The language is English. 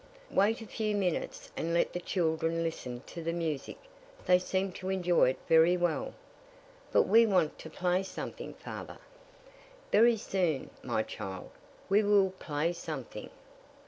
"Wait a few minutes, and let the children listen to the music. They seem to enjoy it very well." "But we want to play something, father." "Very soon, my child, we will play something."